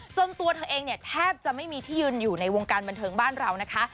ตัวเธอเองเนี่ยแทบจะไม่มีที่ยืนอยู่ในวงการบันเทิงบ้านเรานะคะ